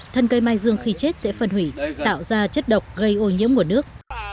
thân cây mai dương khi chết sẽ phân hủy tạo ra chất độc gây ô nhiễm nguồn nước